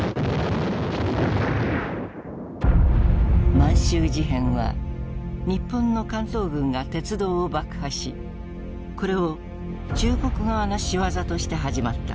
満州事変は日本の関東軍が鉄道を爆破しこれを中国側のしわざとして始まった。